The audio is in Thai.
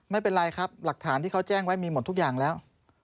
ไม่เป็นไรครับหลักฐานที่เขาแจ้งไว้มีหมดทุกอย่างแล้ว